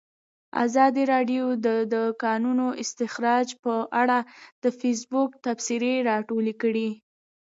ازادي راډیو د د کانونو استخراج په اړه د فیسبوک تبصرې راټولې کړي.